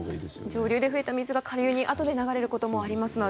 上流の水が下流にあとで流れることもありますので。